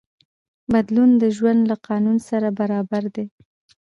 بدلون د ژوند له قانون سره برابر دی.